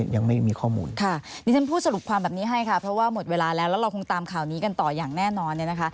ดูคือคุณพูดสรุปความแบบนี้ให้ครับเพราะว่าหมดเวลาแล้วเรามีความตามข่าวนี้เรากันต่อแน่นอนนะคะ